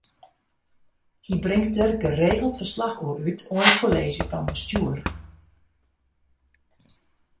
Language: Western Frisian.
Hy bringt dêr geregeld ferslach oer út oan it Kolleezje fan Bestjoer.